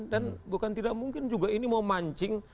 dan bukan tidak mungkin juga ini mau mancing